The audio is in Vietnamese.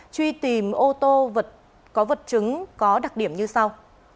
truy tìm ô tô có vật chứng có đặc điểm như sau